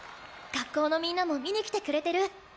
学校のみんなも見に来てくれてる。